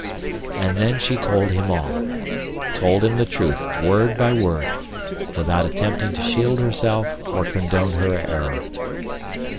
And then she told him all—told him the truth word by word, without attempting to shield herself or condone her error.